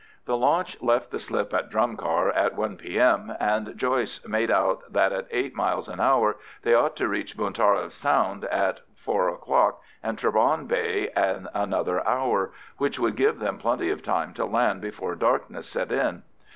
The launch left the slip at Drumcar at 1 P.M., and Joyce made out that at eight miles an hour they ought to reach Buntarriv Sound at four o'clock and Trabawn Bay in another hour, which should give them plenty of time to land before darkness set in.